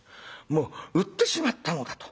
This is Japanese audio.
もう売ってしまったのだと。